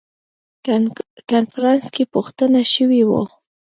کنفرانس کې پوښتنه شوې وه.